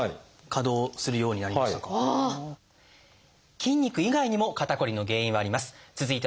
筋肉以外にも肩こりの原因はあります。